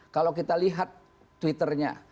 kalau kita lihat twitternya